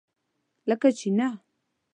لکه چینۀ!